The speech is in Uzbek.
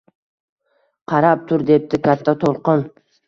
– Qarab tur, – debdi Katta to‘lqin